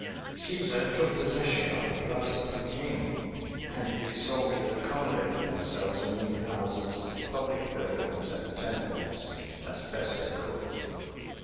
Cæsar took possession of the palace of the King, and his soldiers accommodated themselves in the houses, public buildings, and temples as best they could.